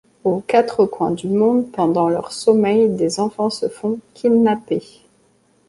Aux quatre coins du monde, pendant leur sommeil, des enfants se font kidnapper.